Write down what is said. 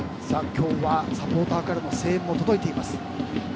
今日は、サポーターからの声援も届いています。